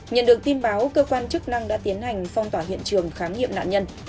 nhận được tin báo cơ quan chức năng đã tiến hành phong tỏa hiện trường khám nghiệm nạn nhân